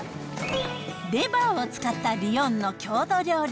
レバーを使ったリヨンの郷土料理。